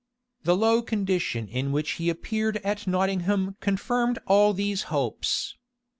The low condition in which he appeared at Nottingham confirmed all these hopes.